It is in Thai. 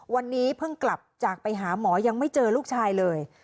วันนี้เพิ่งกลับจากไปหาหมอยังไม่เจอลูกชายเลย